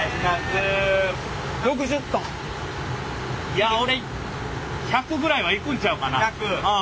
いや俺１００ぐらいはいくんちゃうかな。